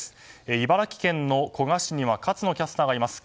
茨城県の古賀市には勝野キャスターがいます。